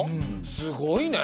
すごいね。